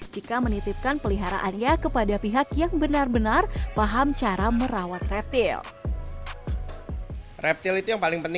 jika menitipkan peliharaannya kepada pihak yang benar benar paham cara merawat reptil